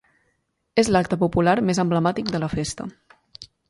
És l'acte popular més emblemàtic de la festa.